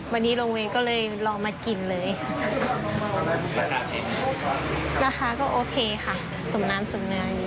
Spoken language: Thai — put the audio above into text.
วันนี้ลงเวทก็เลยลองมากินเลยราคาก็โอเคค่ะสมน้ำอยู่